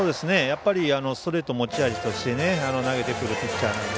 ストレートを持ち味として投げてくるピッチャーなので。